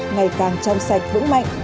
ngày càng trong sạch vững mạnh